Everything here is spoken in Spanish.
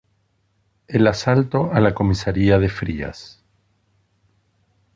El asalto a la comisaría de Frías.